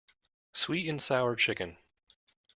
Sweet-and-sour chicken.